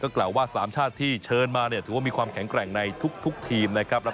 กล่าวว่า๓ชาติที่เชิญมาเนี่ยถือว่ามีความแข็งแกร่งในทุกทีมนะครับ